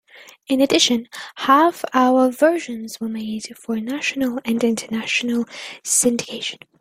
In addition, half-hour versions were made for national and international syndication.